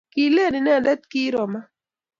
Kilen inendet kiiro ma